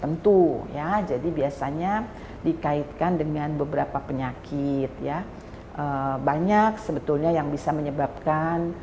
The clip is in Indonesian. produksi dari eritrosit atau sel darah merahnya sehingga kalau sel darah merahnya diproduksi berlebihan